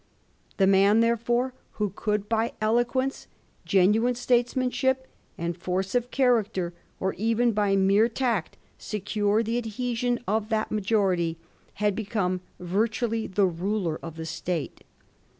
The man, therefore, who could by eloquence, genuine statesmanship, and force of character, or even by mere tact, secure the adhesion of that majority, had become virtually the ruler of the State.